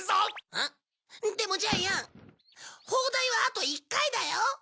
あっでもジャイアン砲台はあと１回だよ。